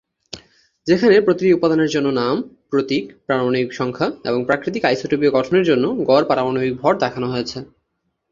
যেখানে প্রতিটি উপাদানের জন্য নাম, প্রতীক, পারমাণবিক সংখ্যা, এবং প্রাকৃতিক আইসোটোপিয় গঠনের জন্য গড় পারমাণবিক ভর দেখানো হয়েছে।